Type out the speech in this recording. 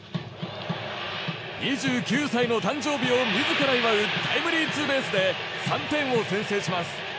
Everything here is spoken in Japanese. ２９歳の誕生日を自ら祝うタイムリーツーベースで３点を先制します。